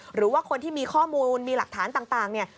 หรือว่าคนที่มีข้อมูลมีหลักฐานต่างเนี่ย